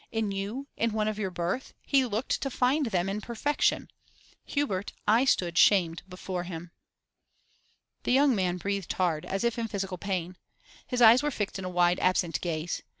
In you, in one of your birth, he looked to find them in perfection. Hubert, I stood shamed before him.' The young man breathed hard, as if in physical pain. His eyes were fixed in a wide absent gaze. Mrs.